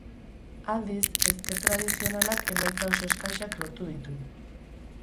Aldiz, ezker tradizionalak emaitza oso eskasak lortu ditu.